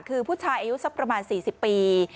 คือผู้ชายอายุสักประมาณ๔๐ปี